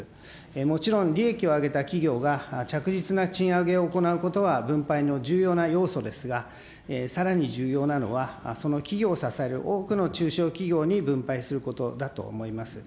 もちろん利益を上げた企業が着実な賃上げを行うことは分配の重要な要素ですが、さらに重要なのは、その企業を支える多くの中小企業に分配することだと思います。